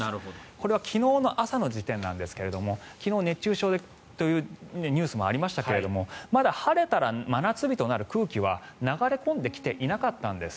これは昨日の朝の時点なんですが昨日、熱中症というニュースもありましたがまだ晴れたら真夏日となる空気は流れ込んできていなかったんです。